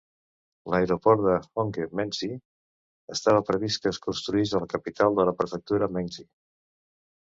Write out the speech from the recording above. L'aeroport de Honghe Mengzi estava previst que es construís a la capital de la prefectura Mengzi.